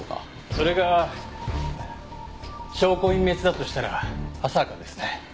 それが証拠隠滅だとしたら浅はかですね。